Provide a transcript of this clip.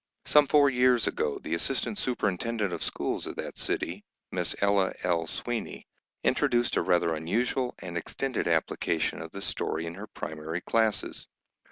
Some four years ago, the assistant superintendent of schools of that city, Miss Ella L. Sweeney, introduced a rather unusual and extended application of the story in her primary classes.